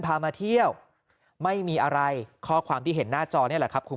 มาเที่ยวไม่มีอะไรข้อความที่เห็นหน้าจอนี่แหละครับคุณ